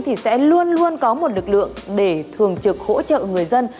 thì sẽ luôn luôn có một lực lượng để thường trực hỗ trợ người dân